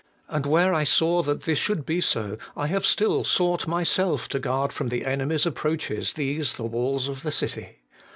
And where I saw that this should be so, I have still sought myself to guard from the enemy's approaches these the walls of the city.